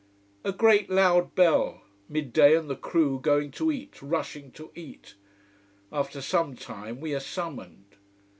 A great loud bell: midday and the crew going to eat, rushing to eat. After some time we are summoned.